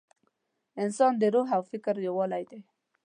انسان د روح او فکر یووالی دی.